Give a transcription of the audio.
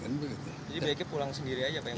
jadi mereka pulang sendiri aja